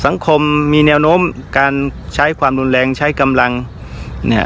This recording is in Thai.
สังคมมีแนวโน้มการใช้ความรุนแรงใช้กำลังเนี่ย